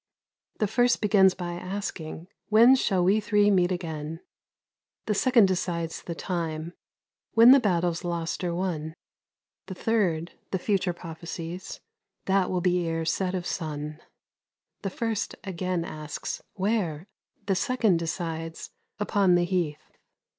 The first begins by asking, 'When shall we three meet again?' The second decides the time: 'When the battle's lost or won.' The third, the future prophesies: 'That will be ere set of sun.' The first again asks, 'Where?' The second decides: 'Upon the heath.'